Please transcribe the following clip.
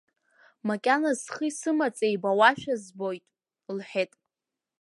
Макьаназ схи-сымаҵи еибауашәа збоит, — лҳәеит.